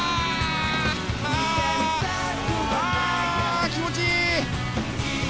あ気持ちいい！